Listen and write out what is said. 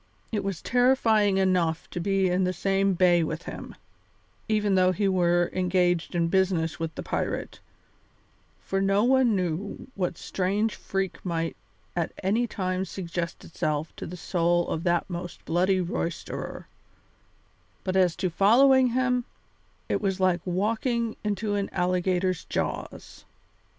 It was terrifying enough to be in the same bay with him, even though he were engaged in business with the pirate, for no one knew what strange freak might at any time suggest itself to the soul of that most bloody roisterer; but as to following him, it was like walking into an alligator's jaws.